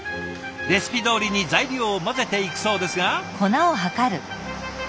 レシピどおりに材料を混ぜていくそうですが。